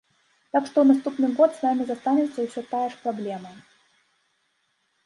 Так што ў наступны год з намі застанецца ўсё тая ж праблема.